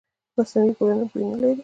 مصنوعي ګلونه بوی نه لري.